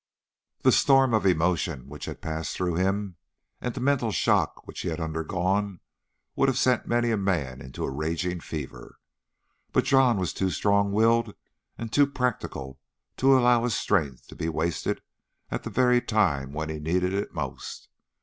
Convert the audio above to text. The storm of emotion which had passed through him, and the mental shock which he had undergone, would have sent many a man into a raging fever, but John was too strong willed and too practical to allow his strength to be wasted at the very time when he needed it most.